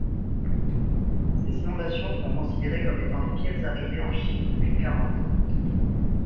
Ces inondations sont considérées comme étant les pires arrivées en Chine depuis quarante ans.